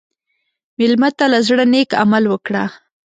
مېلمه ته له زړه نیک عمل وکړه.